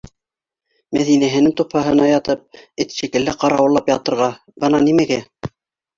Мәҙинәһенең тупһаһына ятып, эт шикелле ҡарауыллап ятырға - бына нимәгә!